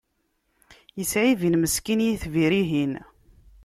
Yesɛibin meskin yitbir-ihin.